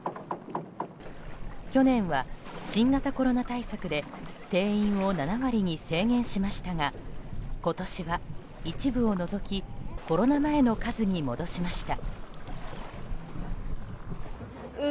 去年は新型コロナ対策で定員を７割に制限しましたが今年は一部を除きコロナ前の数に戻しました。